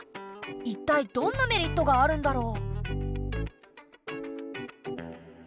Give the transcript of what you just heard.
一体どんなメリットがあるんだろう。